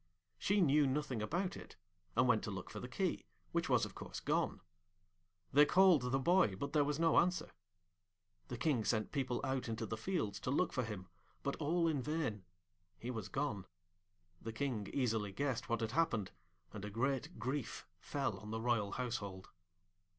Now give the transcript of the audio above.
She knew nothing about it, and went to look for the key, which was of course gone. They called the boy, but there was no answer. The King sent people out into the fields to look for him, but all in vain; he was gone. The King easily guessed what had happened, and great grief fell on the royal household.